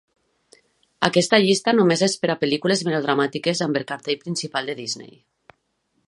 Aquesta llista només és per a pel·lícules melodramàtiques amb el cartell principal de Disney.